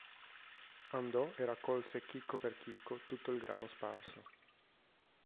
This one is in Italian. Andò e raccolse chicco per chicco tutto il grano sparso.